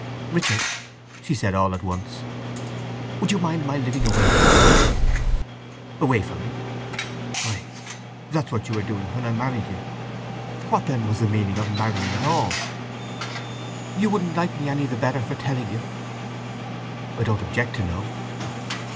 "Richard," she said all at once; "would you mind my living away from you?" "Away from me? Why, that's what you were doing when I married you. What then was the meaning of marrying at all?" "You wouldn't like me any the better for telling you." "I don't object to know."